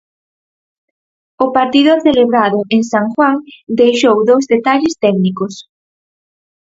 O partido celebrado en San Juan deixou dous detalles técnicos.